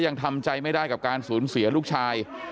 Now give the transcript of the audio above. ยังทำใจไม่ได้กับการสูญเสียลูกชาย